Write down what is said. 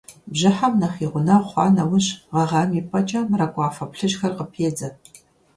Бжьыхьэм нэхъ и гъунэгъу хъуа нэужь, гъэгъам и пӀэкӀэ мэракӀуафэ плъыжьхэр къыпедзэ.